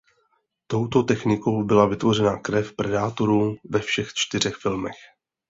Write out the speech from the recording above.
Touto technikou byla vytvořena krev predátorů ve všech čtyřech filmech.